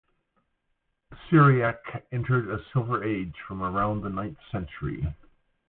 Syriac entered a silver age from around the ninth century.